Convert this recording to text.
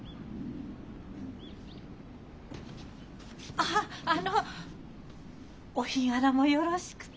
あっあのお日柄もよろしくて。